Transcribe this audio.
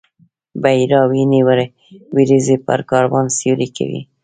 بحیرا ویني وریځې پر کاروان سیوری کوي.